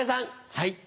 はい。